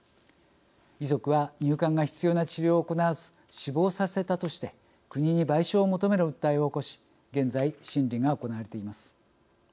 遺族は入管が必要な治療を行わず死亡させたとして国に賠償を求める訴えを起こし現在、審理が行われています。